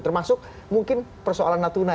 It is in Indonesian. termasuk mungkin persoalan natuna